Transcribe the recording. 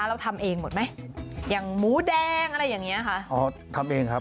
เราทำเองหมดไหมอย่างหมูแดงอะไรอย่างเงี้ยค่ะอ๋อทำเองครับ